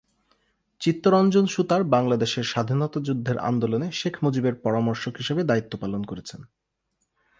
চিত্তরঞ্জন সুতার বাংলাদেশের স্বাধীনতা যুদ্ধের আন্দোলনে শেখ মুজিবের পরামর্শক হিসেবে দায়িত্ব পালন করেছেন।